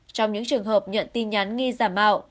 trong những trường hợp nhận tin nhắn nghi giả mạo